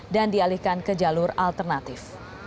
dan dialihkan ke jalur alternatif